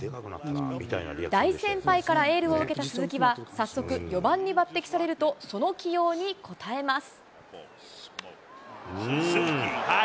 大先輩からエールを受けた鈴木は早速、４番に抜てきされると、その起用に応えます。